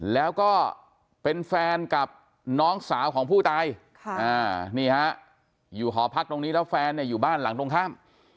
แล้วก็เป็นแฟนกับน้องสาวของผู้ตายนี่ฮะอยู่หอพักตรงนี้แล้วแฟนเนี่ยอยู่บ้านหลังตรงข้าม